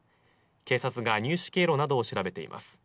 警察が入手経路などを調べています。